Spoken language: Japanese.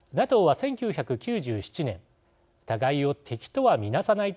ＮＡＴＯは１９９７年互いを敵とは見なさない